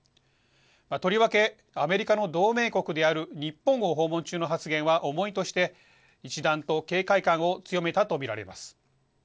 とりわけ、アメリカの同盟国である日本を訪問中の発言は重いとして、一段と警戒感を強めたと見られます。